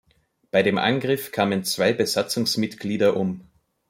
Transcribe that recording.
Bei den Angriff kamen zwei Besatzungsmitglieder um.